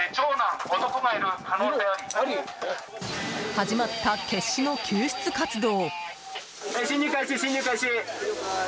始まった決死の救出活動。